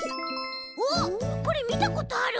おっこれみたことある。